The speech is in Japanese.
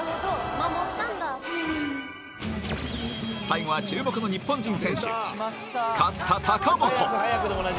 最後は注目の日本人選手勝田貴元。